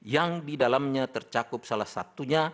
yang di dalamnya tercakup salah satunya